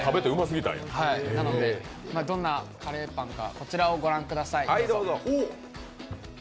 なので、どんなカレーパンかこちらをご覧ください。